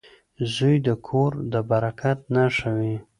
• زوی د کور د برکت نښه وي.